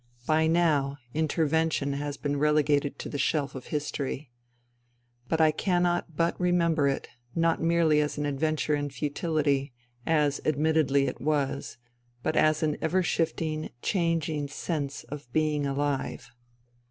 By now, " Intervention " has been relegated to the shelf of history. But I cannot but remember it, not merely as an adventure in futility, as admittedly it was, but as an ever shifting, changing sense of being alive.